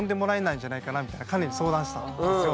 カネに相談したんですよ。